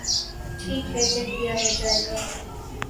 ٹھیک ہے کہ دیا ہے چائے کا۔۔۔